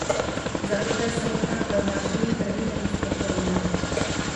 Zaprvé samotná prohlášení trhy neuspokojí.